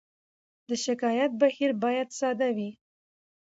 د شکایت بهیر باید ساده وي.